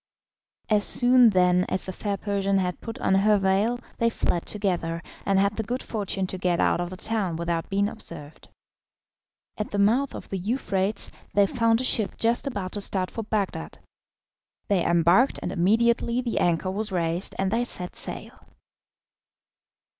As soon, then, as the fair Persian had put on her veil they fled together, and had the good fortune to get out of the town without being observed. At the mouth of the Euphrates they found a ship just about to start for Bagdad. They embarked, and immediately the anchor was raised and they set sail.